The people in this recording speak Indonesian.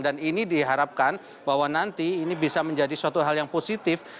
dan ini diharapkan bahwa nanti ini bisa menjadi suatu hal yang positif